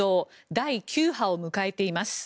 第９波を迎えています。